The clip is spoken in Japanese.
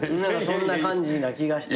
そんな感じな気がしてね。